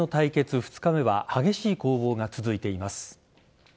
２日目は激しい攻防が続いています。